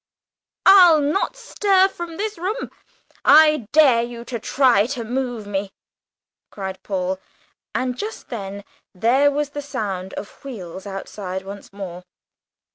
I'll not stir from this room! I dare you to try to move me!" cried Paul. And just then there was the sound of wheels outside once more.